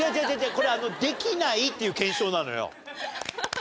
これできないっていう検証なのよ。